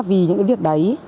vì những việc đấy